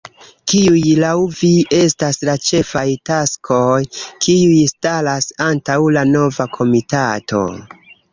Kiuj laŭ vi estas la ĉefaj taskoj, kiuj staras antaŭ la nova komitato?